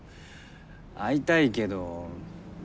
会いたいけどま